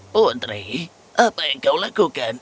putri apa yang kau lakukan